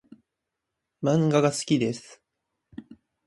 漫画が好きです。